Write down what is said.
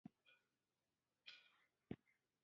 زکات ورکول مال زیاتوي.